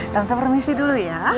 tante permisi dulu ya